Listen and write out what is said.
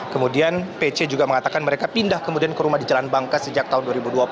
kemudian pc juga mengatakan mereka pindah kemudian ke rumah di jalan bangka sejak tahun dua ribu dua puluh